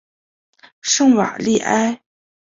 圣瓦利埃。